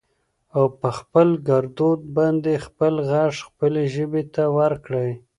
او په خپل ګردود باندې خپل غږ خپلې ژبې ته ورکړٸ